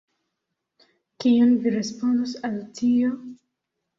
Kion vi respondos al tio?